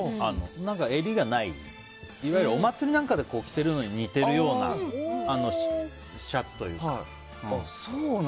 襟がない、いわゆるお祭りなんかで着てるのに似てるようなシャツというか。